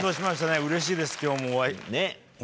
うれしいです今日もお会い。